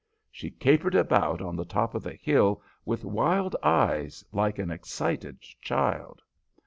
She capered about on the top of the hill with wild eyes like an excited child.